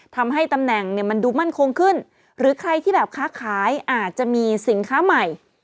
ทำให้ตำแหน่งเนี่ยมันดูมั่นคงขึ้นหรือใครที่แบบค้าขายอาจจะมีสินค้าใหม่